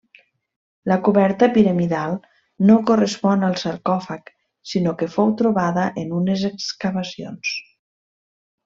La coberta piramidal no correspon al sarcòfag, sinó que fou trobada en unes excavacions.